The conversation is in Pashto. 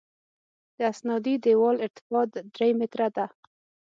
د استنادي دیوال ارتفاع درې متره ده